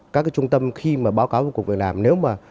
các cái trung tâm khi mà báo cáo với cục việc làm nếu mà